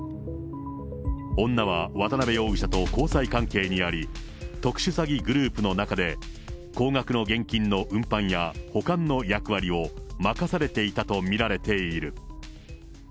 女は渡辺容疑者と交際関係にあり、特殊詐欺グループの中で、高額の現金の運搬や保管の役割を任されていたと見られている。